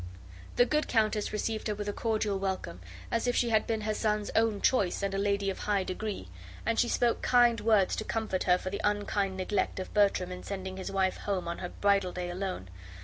The good countess received her with a cordial welcome, as if she had been her son's own choice and a lady of a high degree, and she spoke kind words to comfort her for the unkind neglect of Bertram in sending his wife home on her bridal day alone.